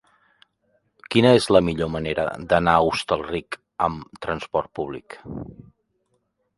Quina és la millor manera d'anar a Hostalric amb trasport públic?